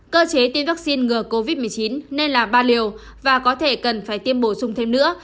cơ chế tiêm vaccine ngừa covid một mươi chín nên là ba liều và có thể cần phải tiêm bổ sung thêm nữa